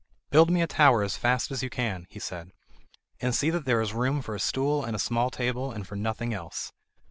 "Build me a tower as fast as you can," he said, "and see that there is room for a stool and a small table, and for nothing else.